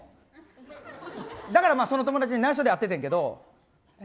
だから、その友達に内緒で会ってんねんけど。